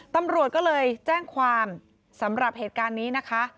ตำรวจก็เลยแจ้งความสำหรับเหตุการณ์นี้นะคะ